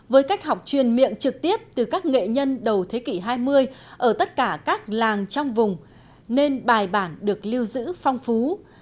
với cách học truyền miệng trực tiếp từ các nghệ nhân đầu thế kỷ hai mươi ở tất cả các làng trong vùng nên bài bản được lưu giữ phong phú